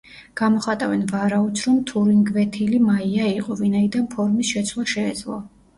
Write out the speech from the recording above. გამოხატავენ ვარაუდს, რომ თურინგვეთილი მაია იყო, ვინაიდან ფორმის შეცვლა შეეძლო.